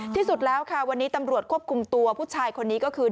ที่สุดแล้วค่ะวันนี้ตำรวจควบคุมตัวผู้ชายคนนี้ก็คือ